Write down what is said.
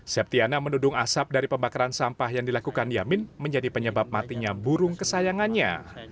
septiana mendudung asap dari pembakaran sampah yang dilakukan yamin menjadi penyebab matinya burung kesayangannya